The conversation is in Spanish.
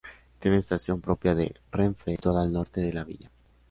Tiene estación propia de Renfe, situada al Norte de la villa.